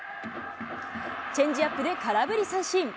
チェンジアップで空振り三振。